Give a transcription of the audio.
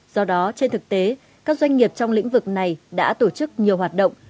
do đó trên thực tế các doanh nghiệp trong lĩnh vực này đã tổ chức nhiều hoạt động